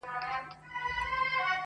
• سخت به مي تر دې هم زنکدن نه وي ..